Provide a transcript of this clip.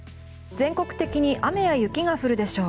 全国的に雨や雪が降るでしょう。